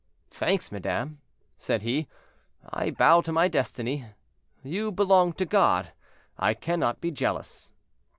"Thanks, madame," said he, "I bow to my destiny. You belong to God; I cannot be jealous."